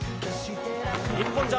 日本